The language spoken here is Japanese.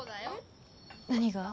何が？